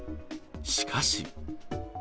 しかし。